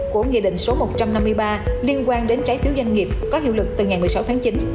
của nghị định số một trăm năm mươi ba liên quan đến trái phiếu doanh nghiệp có hiệu lực từ ngày một mươi sáu tháng chín